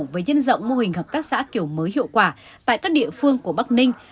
với nhân rộng mô hình hợp tác xã kiểu mới hiệu quả tại các địa phương của bắc ninh